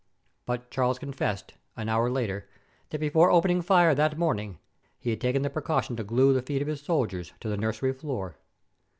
But Charles confessed, an hour later, that, before opening fire that morning, he had taken the precaution to glue the feet of his soldiers to the nursery floor!